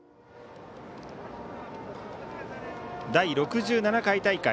第６７回大会